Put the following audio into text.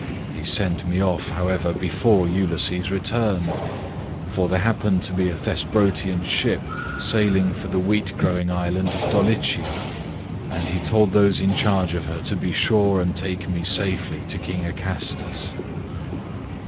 He sent me off however before Ulysses returned, for there happened to be a Thesprotian ship sailing for the wheat growing island of Dulichium, and he told those in charge of her to be sure and take me safely to King Acastus.